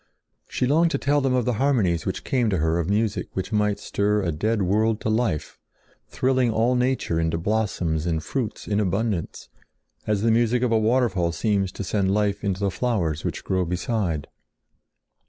She longed to tell them of the harmonies which came to her of music which might stir a dead world to life, thrilling all nature into blossoms and fruits in abundance, as the music of a waterfall seems to send life into the flowers which grow beside.